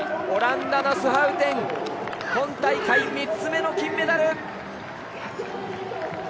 オランダのスハウテン、今大会３つ目の金メダル。